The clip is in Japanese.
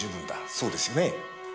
そうですよね？